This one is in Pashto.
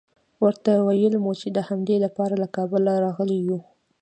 ورته ویل مو چې د همدې لپاره له کابله راغلي یوو.